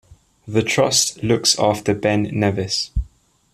The Trust looks after Ben Nevis.